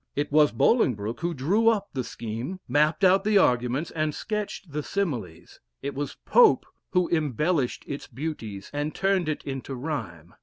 It was Bolingbroke who drew up the scheme, mapped out the arguments, and sketched the similes it was Pope who embellished its beauties, and turned it into rhyme.